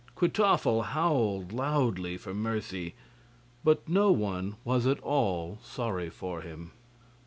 Kwytoffle howled loudly for mercy, but no one was at all sorry for him.